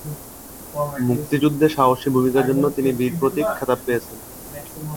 মুক্তিযুদ্ধে সাহসী ভূমিকার জন্য তিনি বীর প্রতীক খেতাব পেয়েছেন।